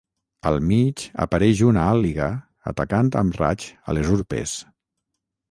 Al mig apareix una àliga atacant amb raigs a les urpes.